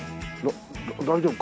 だ大丈夫？